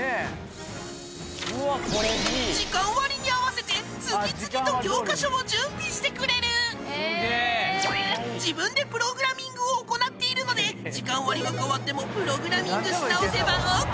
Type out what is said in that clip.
時間割に合わせて次々と教科書を準備してくれる自分でプログラミングを行っているので時間割が変わってもプログラミングし直せばＯＫ